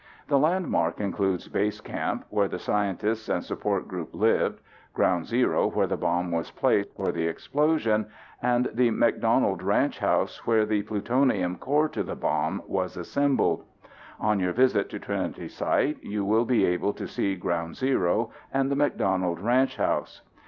The landmark includes base camp, where the scientists and support group lived; ground zero, where the bomb was placed for the explosion; and the McDonald ranch house, where the plutonium core to the bomb was assembled. On your visit to Trinity Site you will be able to see ground zero and the McDonald ranch house.